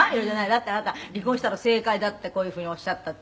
だってあなた“離婚したの正解だ”ってこういう風におっしゃったって」